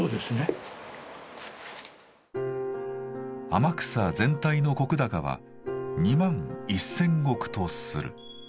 「天草全体の石高は二万一千石とする」。